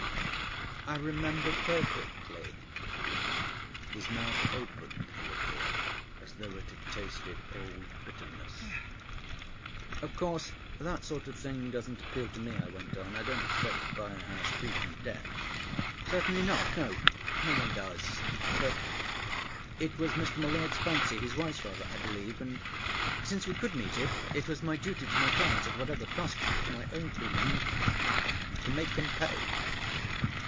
"I remember perfectly." His mouth opened a little as though it had tasted old bitterness. "Of course that sort of thing doesn't appeal to me." I went on. "I don't expect to buy a house free from death." "Certainly not. No one does. But it was Mr. M'Leod's fancy—his wife's rather, I believe; and since we could meet it—it was my duty to my clients at whatever cost to my own feelings—to make him pay."